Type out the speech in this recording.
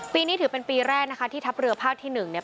นี้ถือเป็นปีแรกนะคะที่ทัพเรือภาคที่หนึ่งเนี่ย